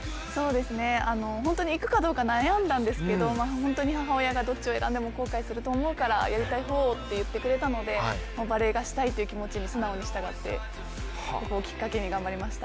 本当に行くかどうか悩んだんですけれども、母親が、どっちを選んでも後悔すると思うから、やりたい方をといってくれたのでバレーがしたいという気持ちに素直に従ってここをきっかけに頑張りました。